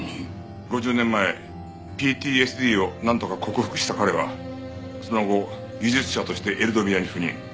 ５０年前ＰＴＳＤをなんとか克服した彼はその後技術者としてエルドビアに赴任。